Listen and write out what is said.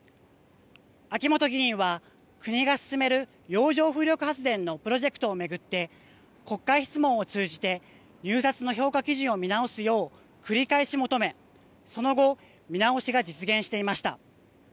秋本議員は国が進める洋上風力発電のプロジェクトをめぐって国会質問を通じて入札の評価基準を見直すよう繰り返し求めその後見直しが実現していました。